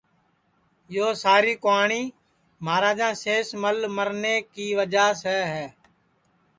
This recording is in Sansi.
یو ساری کُہانی مہاراجا سینس مل مرنے کی وجعہ سے ہے